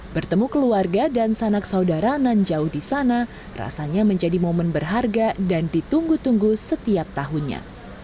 bertemu keluarga dan sanak saudara nanjau di sana rasanya menjadi momen berharga dan ditunggu tunggu setiap tahunnya